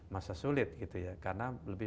masa sulit gitu ya karena lebih